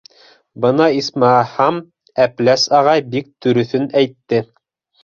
— Бына, исмаһам, Әпләс ағай бик дөрөҫөн әйтте.